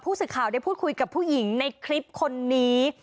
สื่อข่าวได้พูดคุยกับผู้หญิงในคลิปคนนี้